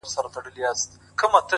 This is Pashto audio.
• خو پر زړه مي سپين دسمال د چا د ياد؛